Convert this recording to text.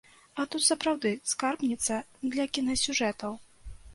А тут, сапраўды, скарбніца для кінасюжэтаў.